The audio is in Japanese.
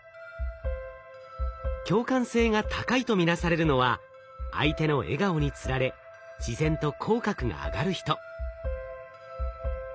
共感性が高いと見なされるのは相手の笑顔につられ自然と口角が上がる人。